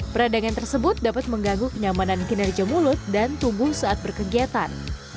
peradangan tersebut dapat mengganggu kenyamanan kinerja mulut dan tubuh saat berkegiatan